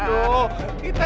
aduh padi aduh